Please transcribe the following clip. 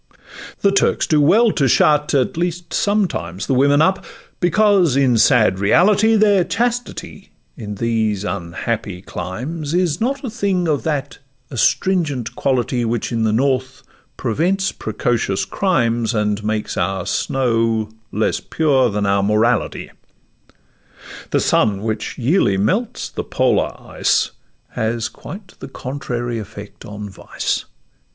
The Turks do well to shut—at least, sometimes— The women up, because, in sad reality, Their chastity in these unhappy climes Is not a thing of that astringent quality Which in the North prevents precocious crimes, And makes our snow less pure than our morality; The sun, which yearly melts the polar ice, Has quite the contrary effect on vice.